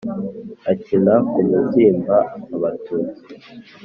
akina ku mubyimba abatutsi